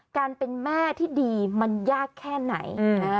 การเป็นแม่ที่ดีมันยากแค่ไหน